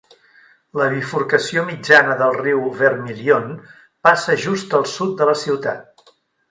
La bifurcació mitjana del riu Vermilion passa just al sud de la ciutat.